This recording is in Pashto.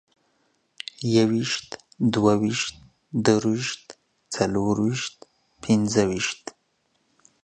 يويشت، دوه ويشت، درويشت، څلرويشت، پينځويشت